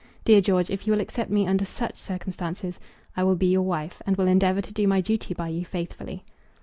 Dear George, if you will accept me under such circumstances, I will be your wife, and will endeavour to do my duty by you faithfully.